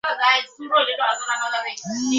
না, আবার অবিশ্বাসের হাসিও হাসবে না।